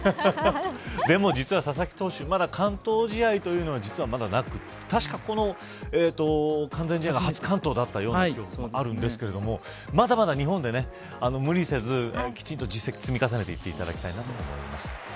でも、実は佐々木投手まだ完投試合というのはまだなく確か完全試合が初完投だったような記憶があるんですがまだまだ日本で無理せずきちんと実績を積み重ねていっていただきたいなと思います。